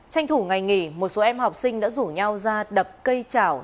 tranh thủ ngày nghỉ một số em học sinh đã rủ nhau ra đập cây chảo